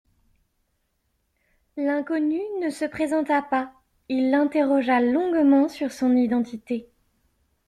L’inconnu ne se présenta pas. Il l’interrogea longuement sur son identité.